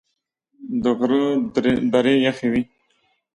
د غره درې یخي وې .